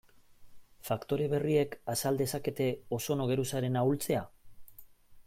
Faktore berriek azal dezakete ozono geruzaren ahultzea?